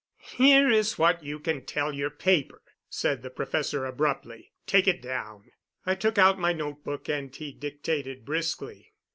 "Here's what you can tell your paper," said the professor abruptly. "Take it down." I took out my notebook, and he dictated briskly.